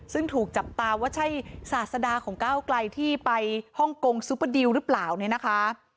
ซึ่งถูกจับตาว่าใช่ศาสดาของก้าวไกลที่ไปฮ่องกงซุปเปอร์ดิวหรือเปล่าเนี่ยนะคะ